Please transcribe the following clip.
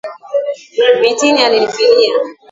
Mtini alinifilia.